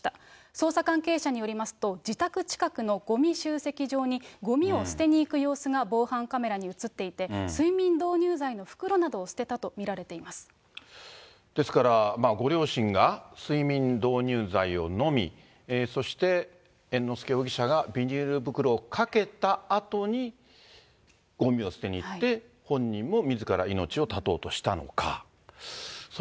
捜査関係者によりますと、自宅近くのごみ集積場に、ごみを捨てに行く様子が防犯カメラに映っていて、睡眠導入剤の袋ですから、ご両親が睡眠導入剤を飲み、そして猿之助容疑者がビニール袋をかけたあとに、ごみを捨てに行って、本人もみずから命を絶とうとしたのか。